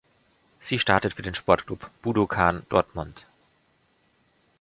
Sie startet für den Sportclub Budokan Dortmund.